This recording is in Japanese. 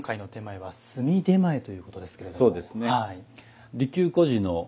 はい。